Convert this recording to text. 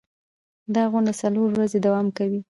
دا غونډه څلور ورځې دوام کوي.